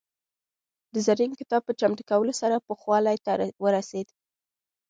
د زرین کتاب په چمتو کولو سره پوخوالي ته ورسېد.